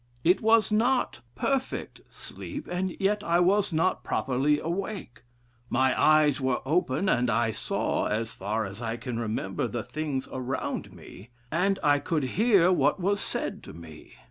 It was not perfect sleep, and yet I was not properly awake. My eyes were open, and I saw, as far as I can remember, the things around me, and 1 could hear what was said to me.